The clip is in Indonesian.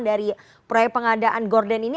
dari proyek pengadaan gordon ini